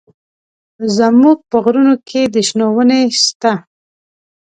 زموږ په غرونو کښې د شنو ونې سته.